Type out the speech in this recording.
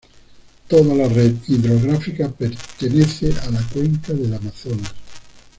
Toda la red hidrográfica pertenece a la cuenca del Amazonas.